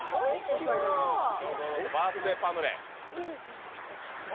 バースデーパヌレ。